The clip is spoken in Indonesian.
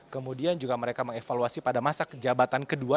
kemudian juga mereka mengevaluasi pada masa jabatan kedua